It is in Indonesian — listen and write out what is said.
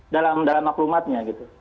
dalam maklumatnya gitu